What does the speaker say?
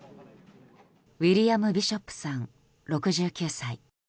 ウィリアム・ビショップさん６９歳。